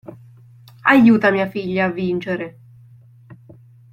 Aiuta mia figlia a vincere!